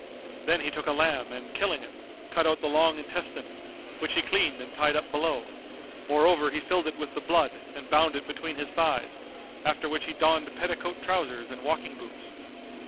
Then he took a lamb and killing it, cut out the long intestine[FN#244] which he cleaned and tied up below; moreover he filled it with the blood and bound it between his thighs; after which he donned petticoat trousers and walking boots.